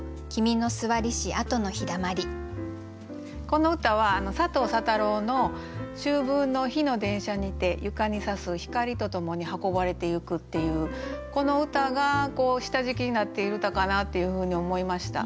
この歌は佐藤佐太郎の「秋分の日の電車にて床にさす光とともに運ばれて行く」っていうこの歌が下敷きになっている歌かなっていうふうに思いました。